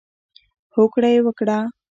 هوکړه یې وکړه.